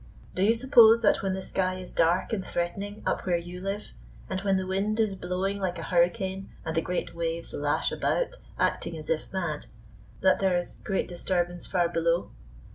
Do you suppose that when the sky is dark and threatening up where you live, and when the wind is blowing like a hurricane, and the great waves lash about, acting as if mad, that there is great disturbance far below?